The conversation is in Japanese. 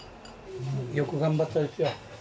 よく頑張ったですよ。